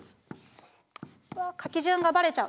わ書き順がばれちゃう。